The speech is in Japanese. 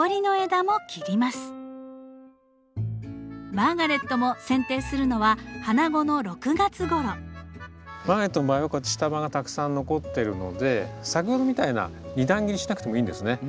マーガレットもせん定するのはマーガレットの場合はこうやって下葉がたくさん残ってるので先ほどみたいな２段切りしなくてもいいんですね。